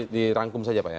dirangkum saja pak ya